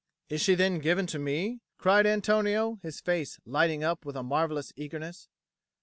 "Is she then given to me?" cried Antonio, his face lighting up with a marvellous eagerness.